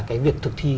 cái việc thực thi